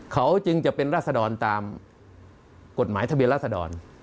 เขาจึงจะเป็นราศดรตามกฎหมายทะเบียนราษดร